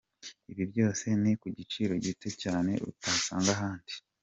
Ibi byose ni kugiciro gito cyane utasanga ahandi.